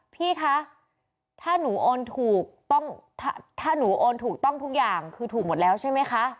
พี่คะถ้าหนูโอนถูกต้องทุกอย่างคือถูกหมดแล้วใช่มั้ยคะ